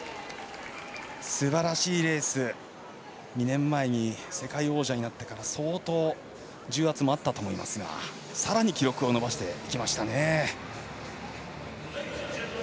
すばらしいレース２年前に世界王者になってから相当、重圧もあったと思いますがさらに記録を伸ばしていきました。